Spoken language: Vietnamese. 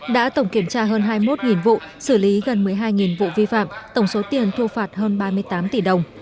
đã tổng kiểm tra hơn hai mươi một vụ xử lý gần một mươi hai vụ vi phạm tổng số tiền thu phạt hơn ba mươi tám tỷ đồng